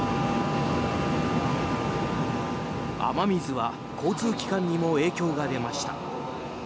雨水は交通機関にも影響が出ました。